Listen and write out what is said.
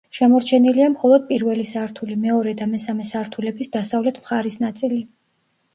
შემორჩენილია მხოლოდ პირველი სართული, მეორე და მესამე სართულების დასავლეთ მხარის ნაწილი.